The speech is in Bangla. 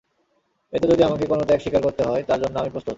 এতে যদি আমাকে কোনো ত্যাগ স্বীকার করতে হয়, তার জন্য আমি প্রস্তুত।